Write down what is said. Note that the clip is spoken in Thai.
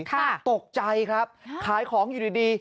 ค่ะตกใจครับขายของอยู่ดี